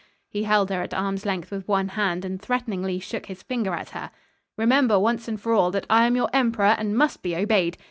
He held her at arm's length with one hand, and threateningly shook his finger at her. "Remember, once and for all, that I am your emperor and must be obeyed.